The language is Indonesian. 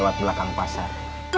lewat belakang pasar